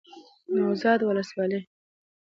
نوزاد ولسوالۍ